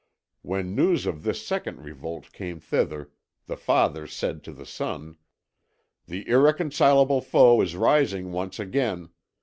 When news of this second revolt came thither, the Father said to the Son: "The irreconcilable foe is rising once again.